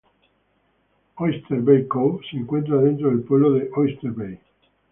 Oyster Bay Cove se encuentra dentro del pueblo de Oyster Bay.